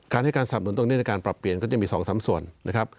ให้การสนับหนุนตรงนี้ในการปรับเปลี่ยนก็จะมี๒๓ส่วนนะครับ